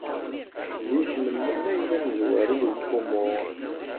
D isem-nnem ay d amezwaru deg wumuɣ.